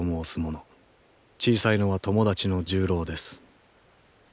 小さいのは友達の重郎です。